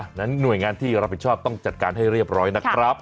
นั้นหน่วยงานที่รับผิดชอบต้องจัดการให้เรียบร้อยนะครับ